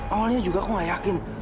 awalnya juga aku gak yakin